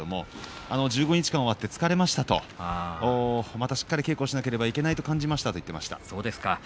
１５日間終わって疲れましたとまたしっかり稽古をしなくてはいけないと感じましたと言っていました。